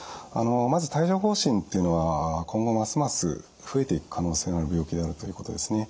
まず帯状ほう疹っていうのは今後ますます増えていく可能性がある病気であるということですね。